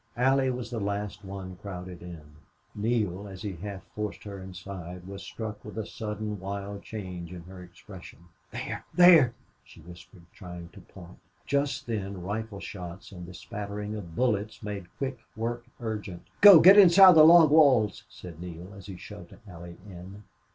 Allie was the last one crowded in. Neale, as he half forced her inside, was struck with a sudden wild change in her expression. "There! There!" she whispered, trying to point. Just then rifle shots and the spattering of bullets made quick work urgent. "Go get inside the log walls," said Neale, as he shoved Allie in.